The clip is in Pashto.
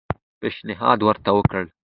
پېشنهاد ورته وکړ.